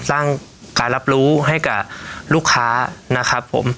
สร้างการรับรู้ให้กับลูกค้านะครับผม